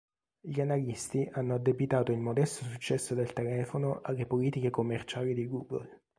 Gli analisti hanno addebitato il modesto successo del telefono alle politiche commerciali di Google.